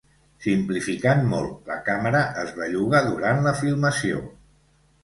Simplificant molt, la càmera es belluga durant la filmació.